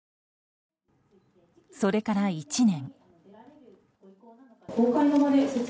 それから１年。